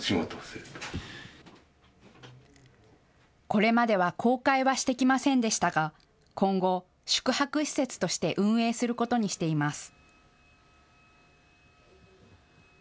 これまでは公開はしてきませんでしたが今後、宿泊施設として運営することにしています。